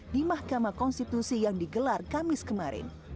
di mahkamah konstitusi yang digelar kamis kemarin